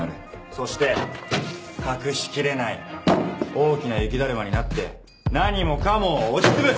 そして隠しきれない大きな雪だるまになって何もかもを押し潰す！